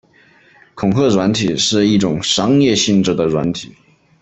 恐吓软体是一种商业性质的软体。